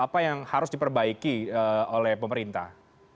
apa yang harus diperbaiki oleh pemerintah